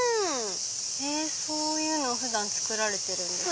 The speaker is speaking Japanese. そういうのを普段作られてるんですか？